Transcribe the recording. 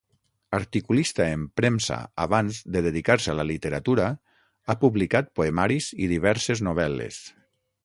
Articulista en premsa abans de dedicar-se a la literatura, ha publicat poemaris i diverses novel·les.